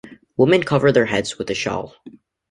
Women cover their heads with a shawl.